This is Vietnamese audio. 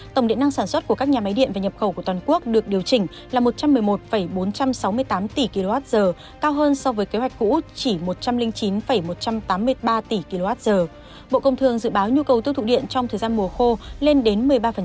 tổng điện năng sản xuất của các nhà máy điện và nhập khẩu toàn quốc trong thời gian mùa khô lên đến một mươi ba